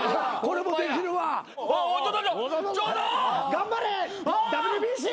頑張れＷＢＣ！